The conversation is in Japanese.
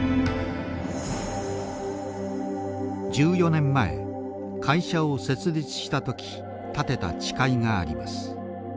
１４年前会社を設立した時立てた誓いがあります。